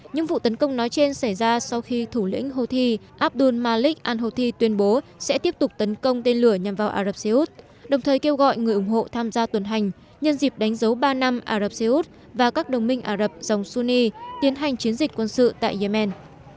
những vụ tấn công nói trên xảy ra sau khi thủ lĩnh houthi abdul malik al houthi tuyên bố sẽ tiếp tục tấn công tên lửa nhằm vào ả rập xê út đồng thời kêu gọi người ủng hộ tham gia tuần hành nhân dịp đánh dấu ba năm ả rập xê út và các đồng minh ả rập dòng sony tiến hành chiến dịch quân sự tại yemen